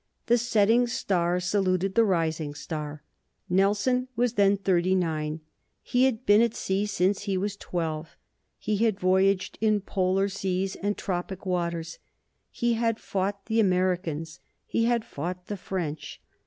The setting star saluted the rising star. Nelson was then thirty nine. He had been at sea since he was twelve. He had voyaged in polar seas and tropic waters. He had fought the Americans. He had fought the French.